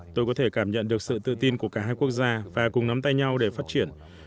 tôi có thể cảm nhận được sự tự tin của cả hai quốc gia và cùng nắm tay nhau để phát triển